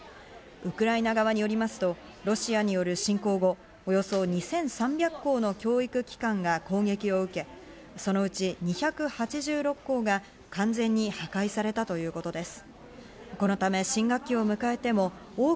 ウクライナ側によりますとロシアによる侵攻後、およそ２３００校の教育機関が攻撃を受け、そのうち２８６校が完全に破壊されたということです。